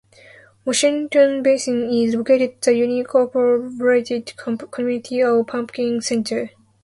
Within Tonto Basin is located the unincorporated community of Punkin Center.